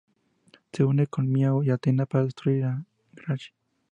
Se une con Mia y Athena para destruir a Grachi.